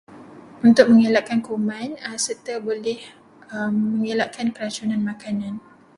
Untuk mengelakkan kuman, serta boleh mengelakkan keracunan makanan.